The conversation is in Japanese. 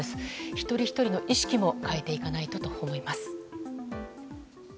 一人ひとりの意識も変えていかないとと思います。